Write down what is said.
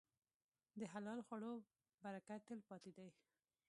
د حلال خوړو برکت تل پاتې دی.